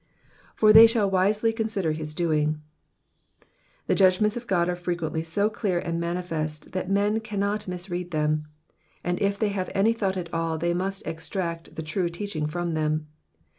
*^''For they shall wisely consider of his doing.'''' The judgments of God are frequently so clear and manifest that men cannot mis read them, and if they have any thought at all, they must extract the true teaching from them.